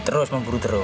terus memburu terus iya